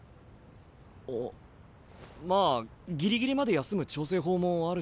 あまあギリギリまで休む調整法もあるしな。